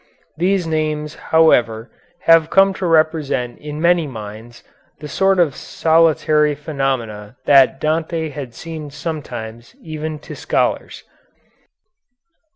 These names, however, have come to represent in many minds the sort of solitary phenomena that Dante has seemed sometimes even to scholars.